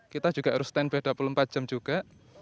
kita juga harus stand by dua puluh empat jam juga